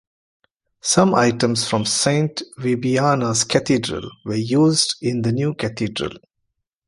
Some items from Saint Vibiana's Cathedral were used in the new Cathedral.